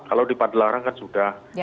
kalau di padelarang kan sudah